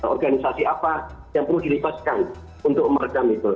organisasi apa yang perlu dilibatkan untuk merekam itu